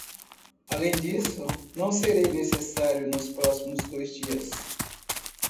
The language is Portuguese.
Além disso, não serei necessário nos próximos dois dias.